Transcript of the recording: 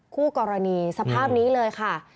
คู่กรณีสภาพนี้เลยค่ะ